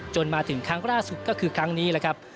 มาถึงครั้งล่าสุดก็คือครั้งนี้แหละครับ